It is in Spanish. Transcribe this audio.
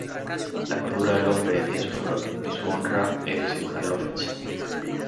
La cordura del hombre detiene su furor; Y su honra es disimular la ofensa.